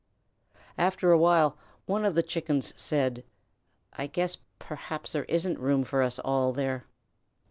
After a while one of the Chickens said: "I guess perhaps there isn't room for us all there."